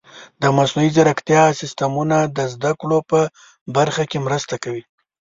د مصنوعي ځیرکتیا سیستمونه د زده کړو په برخه کې مرسته کوي.